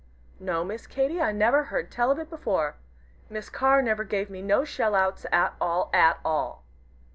"No, Miss Katy, I never heard tell of it before. Miss Carr never gave me no shell outs at all at all!"